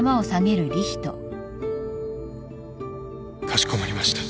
かしこまりました。